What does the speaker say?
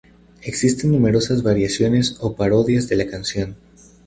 Existen numerosas variaciones y parodias de la canción.